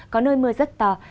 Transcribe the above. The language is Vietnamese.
có nơi mưa rất to